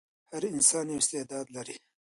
هر انسان یو استعداد لري.